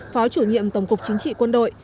phó chủ nhiệm tổng cục chính trị quân đội